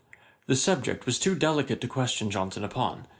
The subject was too delicate to question Johnson upon.